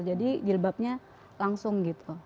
jadi jilbabnya langsung gitu